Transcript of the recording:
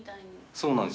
そうなんです。